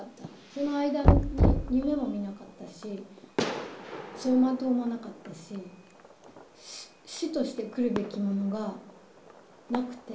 その間に夢も見なかったし走馬灯もなかったし死としてして来るべきものがなくて。